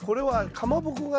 かまぼこ形。